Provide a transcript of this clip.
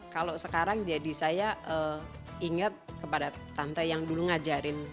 kalau sekarang jadi saya ingat kepada tante yang dulu ngajarin